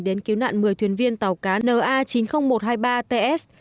đến cứu nạn một mươi thuyền viên tàu cá na chín mươi nghìn một trăm hai mươi ba ts